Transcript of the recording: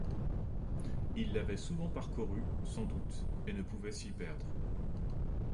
Il l’avait souvent parcourue, sans doute, et ne pouvait s’y perdre.